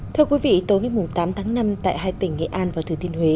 thưa quý vị tối ngày tám tháng năm tại hai tỉnh nghệ an và thừa thiên huế